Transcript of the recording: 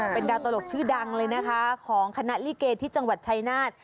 เป็นดาวตลกชื่อดังเลยนะคะของคณะลิเกที่จังหวัดชายนาฏ